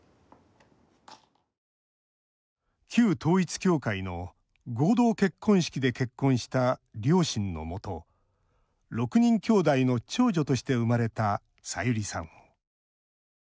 旧統一教会の合同結婚式で結婚した両親のもと６人きょうだいの長女として生まれた、さゆりさん。